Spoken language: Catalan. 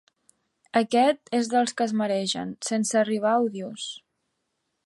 Aquest és dels que es maregen, sense arribar a odiós.